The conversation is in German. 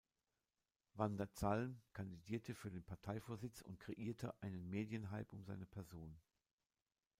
Vander Zalm kandidierte für den Parteivorsitz und kreierte einen Medienhype um seine Person.